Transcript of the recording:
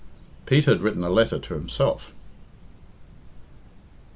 Pete had written a letter to himself.